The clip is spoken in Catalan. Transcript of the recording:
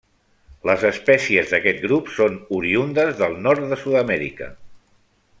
Les espècies d'aquest grup són oriündes del nord de Sud-amèrica.